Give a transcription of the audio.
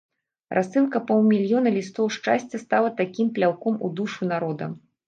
Рассылка паўмільёна лістоў шчасця стала такім пляўком у душу народу.